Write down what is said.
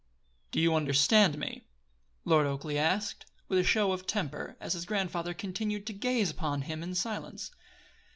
"Did you understand me?" Lord Oakleigh asked, with a show of temper, as his grandfather continued to gaze upon him in silence.